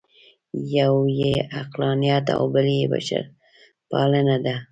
یو یې عقلانیت او بل یې بشرپالنه ده.